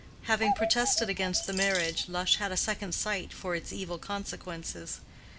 Having protested against the marriage, Lush had a second sight for its evil consequences.